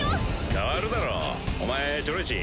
変わるだろお前チョロいし。